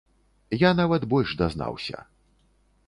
Я нават больш дазнаўся.